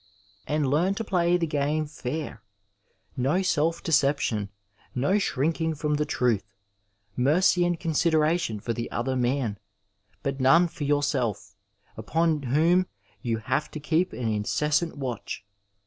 And learn to play the game fair, no self deception, no shrinking from the truth ; mercy and consideration for the other man, but none for yourself, upon whom you have to keep an incessant watch.